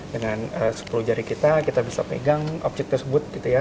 dengan sepuluh jari kita bisa pegang objek tersebut